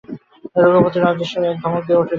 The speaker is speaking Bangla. রঘুপতি বজ্রস্বরে এক ধমক দিয়া উঠিলেন।